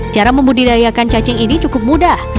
cara membudidayakan cacing ini cukup mudah